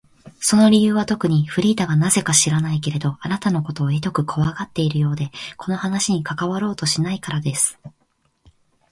その理由はとくに、フリーダがなぜか知らないけれど、あなたのことをひどくこわがっているようで、この話に加わろうとしないからです。